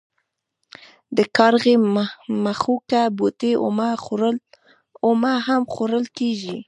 د کارغي مښوکه بوټی اومه هم خوړل کیږي.